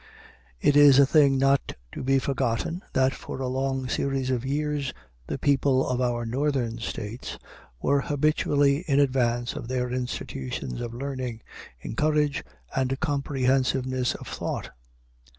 It is a thing not to be forgotten, that for a long series of years the people of our Northern States were habitually in advance of their institutions of learning, in courage and comprehensiveness of thought.